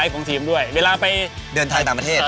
ช่วยตรงทีมด้วยเวลาไปด้วยด้านของทีมด้วยเดินทางต่างประเทศ